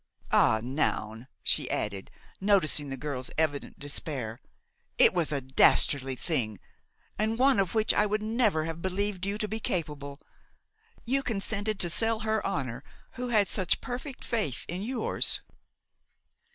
Ah! Noun," she added, noticing the girl's evident despair, "it was a dastardly thing, and one of which I would never have believed you to be capable; you consented to sell her honor who had such perfect faith in yours!"